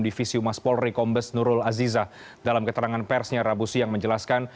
divisi umas polri kombes nurul azizah dalam keterangan persnya rabu siang menjelaskan